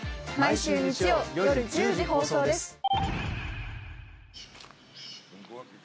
毎週日曜夜１０時放送です。